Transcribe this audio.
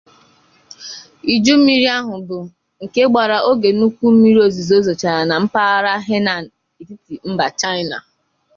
Ijummiri ahụ bụ nke gbara oge nnukwu mmiriozuzo zochara na mpaghara Henan etiti mba China